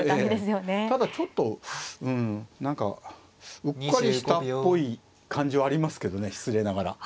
ただちょっとうん何かうっかりしたっぽい感じはありますけどね失礼ながら。